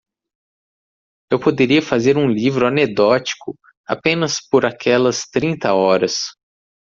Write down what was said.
Eu poderia fazer um livro anedótico apenas por aquelas trinta horas.